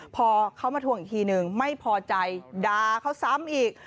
พอเขามาทวงอีกทีนึงไม่พอใจด่าเขาซ้ำอีก